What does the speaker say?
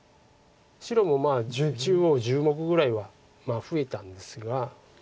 白も中央１０目ぐらいは増えたんですが。